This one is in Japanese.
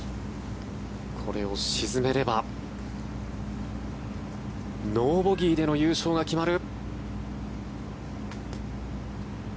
これを沈めればノーボギーでの優勝が決まる。